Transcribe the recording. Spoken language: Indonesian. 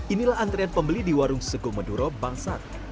inilah antrian pembeli di warung sego meduro bangsat